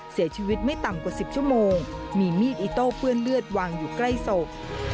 เสียชีวิตไม่ต่ำกว่า๑๐ชั่วโมงมีมีดอิโต้เปื้อนเลือดวางอยู่ใกล้ศพ